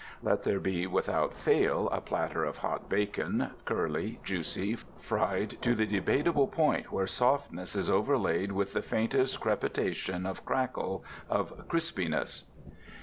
Let there be without fail a platter of hot bacon, curly, juicy, fried to the debatable point where softness is overlaid with the faintest crepitation of crackle, of crispyness.